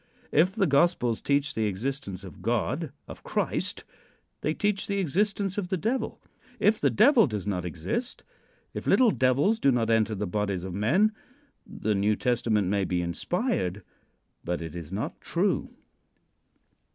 If the gospels teach the existence of God of Christ they teach the existence of the Devil. If the Devil does not exist if little devils do not enter the bodies of men the New Testament may be inspired, but it is not true.